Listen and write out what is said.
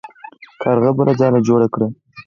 کارغه بله ځاله جوړه کړه.